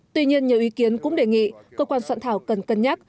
tuy nhiên nhiều ý kiến cũng đề nghị cơ quan soạn thảo cần cân nhắc